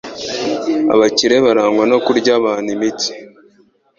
Abakire barangwa no kurya abantu imitsi.